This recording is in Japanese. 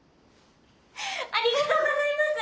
ありがとうございます。